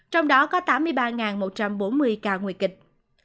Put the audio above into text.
trong đó có tám mươi ba một trăm bốn mươi ca nguy kịch